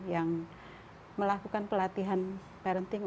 yang melakukan pelatihan parenting